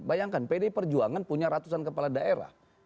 bayangkan pdi perjuangan punya ratusan kepala daerah